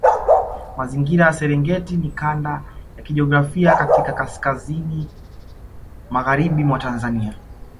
Mazingira ya Serengeti ni kanda ya kijiografia katika kaskazini magharibi mwa Tanzania